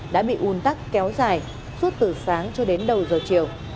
đã bị un tắc kéo dài suốt từ sáng cho đến đầu giờ chiều